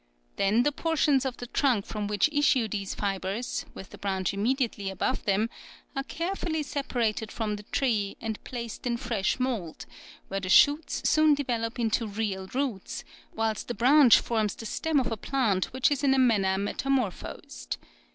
Then the portions of the trunk from which issue these fibres, with the branch immediately above them, are carefully separated from the tree and placed in fresh mould, where the shoots soon develope into real roots, whilst the branch forms the stem of a plant which is in a manner metamorphosed.